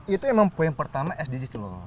itu emang poin pertama sdgs loh